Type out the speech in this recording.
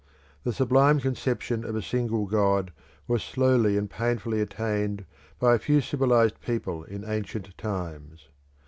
The sublime conception of a single God was slowly and painfully attained by a few civilised people in ancient times.